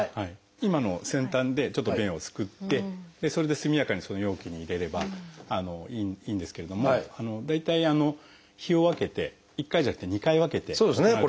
今の先端でちょっと便をすくってそれで速やかにその容器に入れればいいんですけれども大体日を分けて１回じゃなくて２回分けて行うことが多いですね。